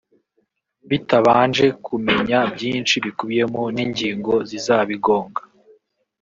bitabanje kumenya byinshi bikubiyemo n’ingingo zizabigonga